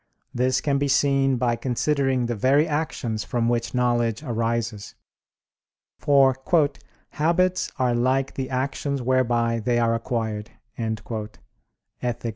This can be seen by considering the very actions from which knowledge arises. For "habits are like the actions whereby they are acquired" (Ethic.